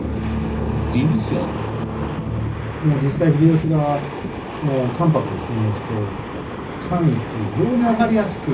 もう実際秀吉がもう関白に就任して官位っていう非常に分かりやすく。